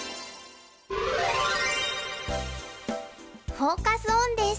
フォーカス・オンです。